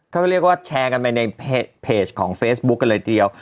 เขาก็เรียกว่าแชร์กันไปในเพจของเฟซบุ๊คกันเลยทีเดียว